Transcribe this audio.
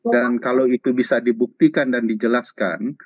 dan kalau itu bisa dibuktikan dan dijelaskan